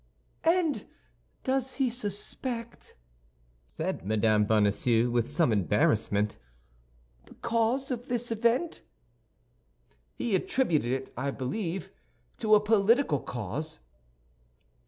"And does he suspect," said Mme. Bonacieux, with some embarrassment, "the cause of this event?" "He attributed it, I believe, to a political cause."